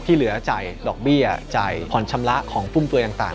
ที่เหลือใจดอกเบี้ยใจผ่อนชำระของฟุ่มเฟือยต่าง